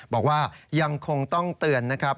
บอกว่ายังคงต้องเตือนนะครับ